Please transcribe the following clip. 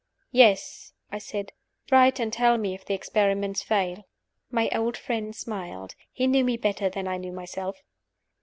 "Yes," I said "Write and tell me if the experiment fail." My old friend smiled. He knew me better than I knew myself.